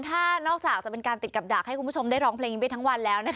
ถ้านอกจากจะเป็นการติดกับดักให้คุณผู้ชมได้ร้องเพลงนี้ไปทั้งวันแล้วนะคะ